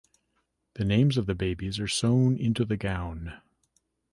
The names of the babies are sewn in to the gown.